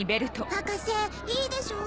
博士いいでしょう？